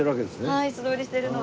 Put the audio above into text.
はい素通りしてるので。